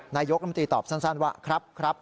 นายกรมตรีตอบสั้นว่าครับ